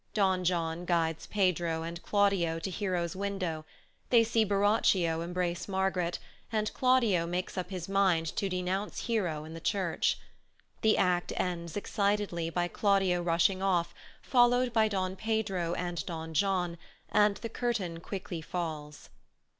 Don John guides Pedro and Claudio to Hero's window; they see Borachio embrace Margaret, and Claudio makes up his mind to denounce Hero in the church. The act ends excitedly by Claudio rushing off, followed by Don Pedro and Don John, and the curtain quickly falls.